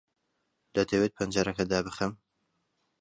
دەتەوێت پەنجەرەکە دابخەم؟